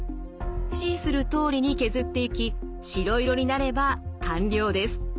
指示するとおりに削っていき白色になれば完了です。